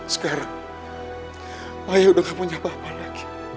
sekarang ayah udah gak punya bapak lagi